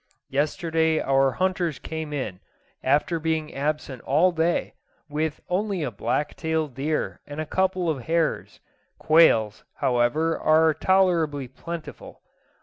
Yesterday our hunters came in, after being absent all day, with only a black tailed deer and a couple of hares; quails, however, are tolerably plentiful.